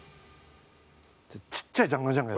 ちっちゃいジャンガジャンガ。